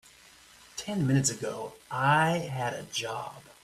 Ten minutes ago I had a job.